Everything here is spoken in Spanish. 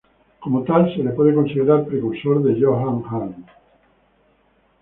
Como tal, se le puede considerar precursor de Johann Arndt.